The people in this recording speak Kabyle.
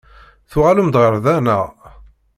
Tuɣalem-d ɣer da, naɣ?